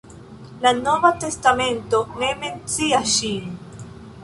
La nova testamento ne mencias ŝin.